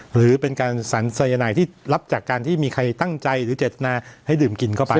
หรือเป็นการสรรสายนายที่รับจากการที่มีใครตั้งใจหรือเจตนาให้ดื่มกินเข้าไป